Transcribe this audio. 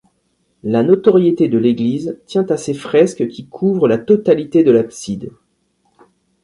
La notoriété de l'église tient à ses fresques qui couvrent la totalité de l'abside.